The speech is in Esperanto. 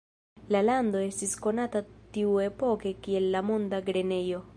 La lando estis konata tiuepoke kiel la "monda grenejo".